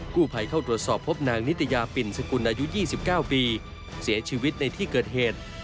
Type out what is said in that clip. ผู้ภัยเข้าตรวจสอบพบนางนิตยาปิ่นสกุลอายุ๒๙ปีเสียชีวิตในที่เกิดเหตุ